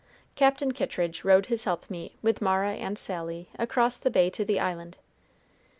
Captain Kittridge rowed his helpmeet, with Mara and Sally, across the Bay to the island.